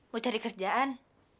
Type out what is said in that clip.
mau cari kerjaan